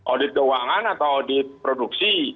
audit keuangan atau audit produksi